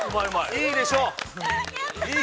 ◆いいでしょう。